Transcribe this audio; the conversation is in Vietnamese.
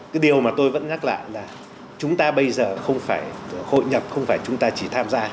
cái điều mà tôi vẫn nhắc lại là chúng ta bây giờ không phải hội nhập không phải chúng ta chỉ tham gia